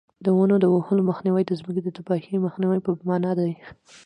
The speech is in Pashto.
د ونو د وهلو مخنیوی د ځمکې د تباهۍ د مخنیوي په مانا دی.